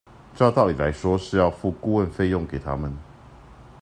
照道理來說是要付顧問費用給他們